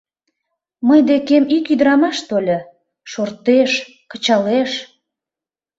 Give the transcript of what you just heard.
— Мый декем ик ӱдырамаш тольо, шортеш, кычалеш